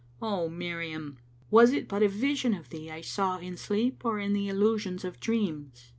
O Miriam! Was it but a vision of thee I saw in sleep or in the allusions of dreams?"